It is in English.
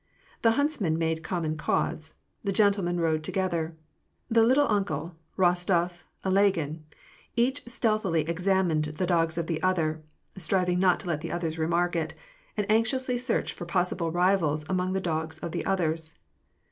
The huntsmen made common cause. The gentle men rode together. The " little uncle," Bostof, Ilagin, each stealthily examined the dogs of the other, striving not to let the others remark it, and anxiously searched for possible rivals among the dogs of the others.